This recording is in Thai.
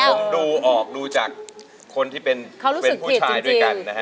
ผมดูออกดูจากคนที่เป็นผู้ชายด้วยกันนะฮะ